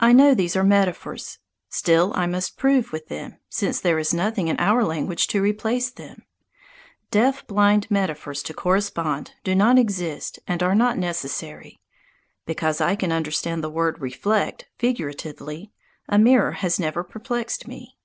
I know these are metaphors. Still, I must prove with them, since there is nothing in our language to replace them. Deaf blind metaphors to correspond do not exist and are not necessary. Because I can understand the word "reflect" figuratively, a mirror has never perplexed me.